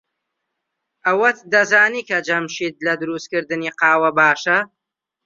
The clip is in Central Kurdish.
ئەوەت دەزانی کە جەمشید لە دروستکردنی قاوە باشە؟